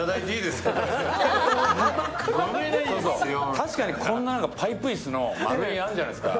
確かにこんなパイプ椅子あるじゃないですか。